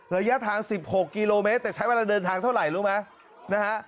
ระยะทาง๑๖กิโลเมตรแต่ใช้เวลาเดินทางเท่าไหร่รู้ไหมนะฮะ